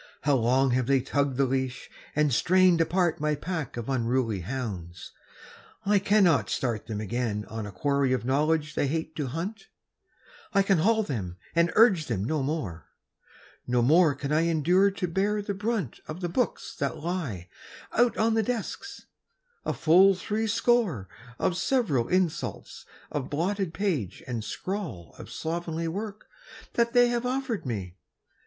How long have they tugged the leash, and strained apart My pack of unruly hounds: I cannot start Them again on a quarry of knowledge they hate to hunt, I can haul them and urge them no more. No more can I endure to bear the brunt Of the books that lie out on the desks: a full three score Of several insults of blotted page and scrawl Of slovenly work that they have offered me.